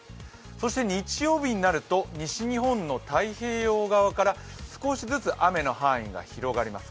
そして日曜日になると、西日本の太平洋側から少しずつ雨の範囲が広がります。